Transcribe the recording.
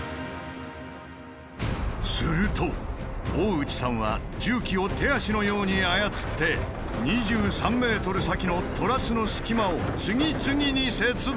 すると大内さんは重機を手足のように操って２３ｍ先のトラスの隙間を次々に切断！